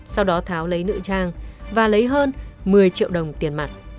sau đó tháo lấy nữ trang và lấy hơn một mươi triệu đồng tiền mặt